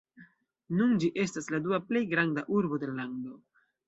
Nun ĝi estas la dua plej granda urbo de la lando.